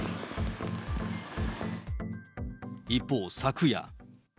一方、昨夜。